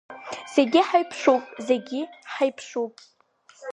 Зегь ҳаиԥшуп, зегь ҳаиԥшуп…